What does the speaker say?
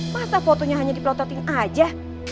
masa fotonya hanya diplototin aja